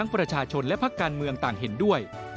ประชาชนและพักการเมืองต่างเห็นด้วย